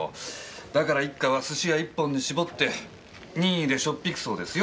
だから一課は寿司屋一本に絞って任意でしょっぴくそうですよ。